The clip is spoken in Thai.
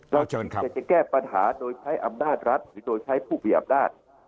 เราจะแก้ปัญหาโดยใช้อำนาจรัฐหรือโดยใช้ผู้มีอำนาจ